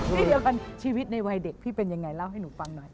ที่เดียวกันชีวิตในวัยเด็กพี่เป็นยังไงเล่าให้หนูฟังหน่อย